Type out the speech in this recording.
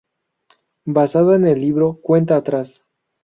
Basada en el libro "Cuenta atrás.